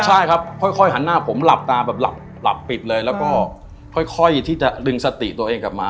ใช่ครับค่อยหันหน้าผมหลับตาแบบหลับปิดเลยแล้วก็ค่อยที่จะดึงสติตัวเองกลับมา